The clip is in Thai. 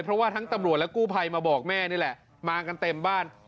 เพราะว่าทั้งตำรวจและกู้ภัยมาบอกแม่นี่แหละมากันเต็มบ้าน